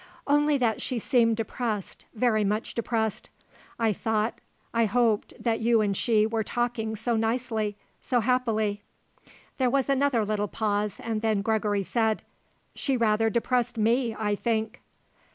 "Only that she seemed depressed, very much depressed. I thought, I hoped that you and she were talking so nicely, so happily." There was another little pause and then Gregory said: "She rather depressed me, I think."